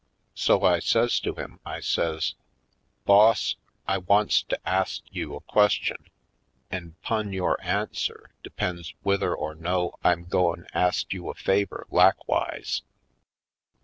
So I says to him, I says : "Boss, I wants to ast you a question an* Business Deals 163 'pun yore answer depends whither or no I'm goin' ast you a favor lakwise?"